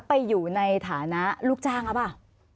ไปอยู่ในฐานะลูกจ้างครับว่า